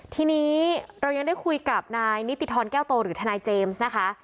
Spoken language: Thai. ทีนี้เรายังได้คุยกับนายนิติธรแก้วโตหรือทนายเจมส์นะคะ